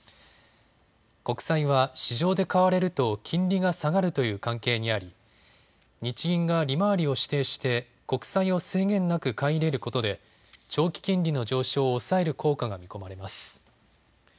国債は市場で買われると金利が下がるという関係にあり日銀が利回りを指定して国債を制限なく買い入れることで長期金利の上昇を抑える効果が見込まれます。